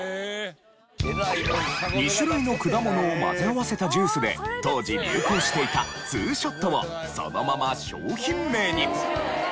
２種類の果物を混ぜ合わせたジュースで当時流行していた「ツーショット」をそのまま商品名に。